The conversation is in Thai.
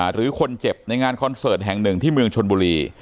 หรือคนเจ็บในงานคอนเสิร์ตแห่งหนึ่งที่เมืองชนบุรี